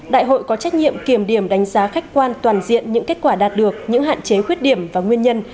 đại hội có trách nhiệm kiểm điểm đánh giá khách quan toàn diện những kết quả đạt được những hạn chế khuyết điểm và nguyên nhân